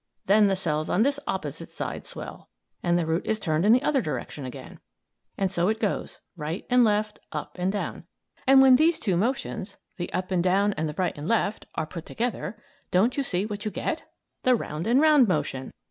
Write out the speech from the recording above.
Then the cells on this opposite side swell, and the root is turned in the other direction again. So it goes right and left, up and down. And when these two motions the up and down and right and left are put together, don't you see what you get? The round and round motion!